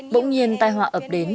bỗng nhiên tai họa ập đến